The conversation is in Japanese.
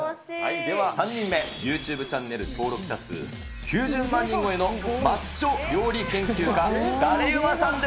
では３人目、ユーチューブチャンネル登録者数、９０万人超えのマッチョ料理研究家、だれウマさんです。